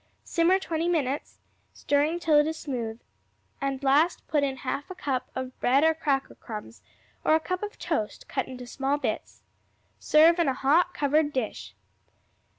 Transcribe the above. Simmer twenty minutes, stirring till it is smooth, and last put in half a cup of bread or cracker crumbs, or a cup of toast, cut into small bits. Serve in a hot, covered dish.